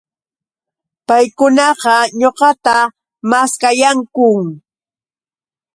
Paykunaqa ñuqatam maskayanku